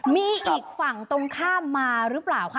มีอีกฝั่งตรงข้ามมาหรือเปล่าคะ